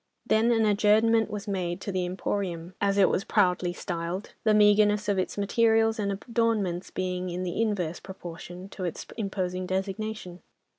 Then an adjournment was made to the "Emporium," as it was proudly styled, the meagreness of its materials and adornments being in the inverse proportion to its imposing designation.